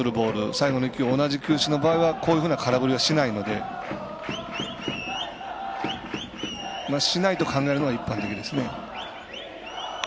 最後の１球、同じ球種の場合はこういう空振りはしないと考えるのが一般的ですね。